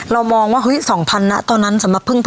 เรามองว่าอุ้ยสองพันอ่ะตอนนั้นสำหรับเพิ่ง